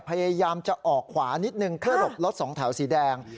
พยายามจะออกขวานิดนึงเพื่อหลบรถสองแถวสีแดง